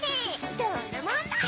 どんなもんだい！